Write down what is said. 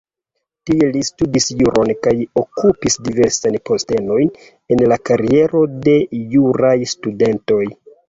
Tie li studis juron kaj okupis diversajn postenojn en la kariero de juraj studentoj.